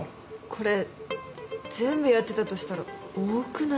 これ全部やってたとしたら多くない？